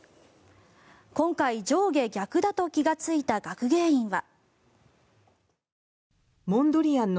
今回、上下逆だと気がついた学芸員は。